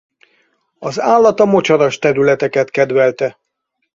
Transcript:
Az állat a mocsaras területeket kedvelte.